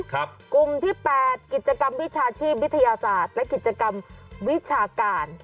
กลุ่มที่๘กิจกรรมวิชาชีพวิทยาศาสตร์และกิจกรรมวิชาการ